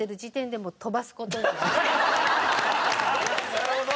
なるほど！